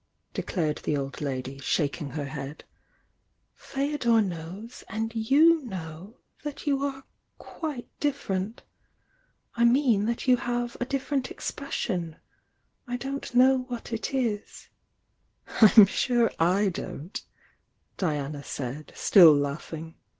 declared the old lady, shaking her head. "Feodor knows and you know that you are quiie different!— I mean that ^t°fa "* different expression— I don't know what 'Tm sure /don't!" Diana said, still laughing.